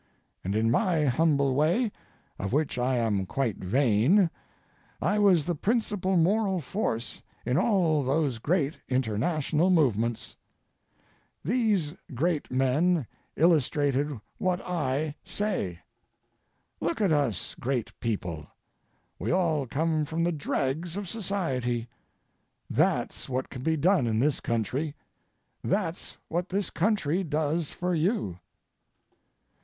And in my humble way, of which I am quite vain, I was the principal moral force in all those great international movements. These great men illustrated what I say. Look at us great people—we all come from the dregs of society. That's what can be done in this country. That's what this country does for you.